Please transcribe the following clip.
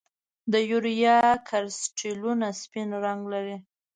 د یوریا کرسټلونه سپین رنګ لري.